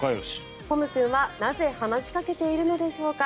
ポム君はなぜ話しかけているのでしょうか。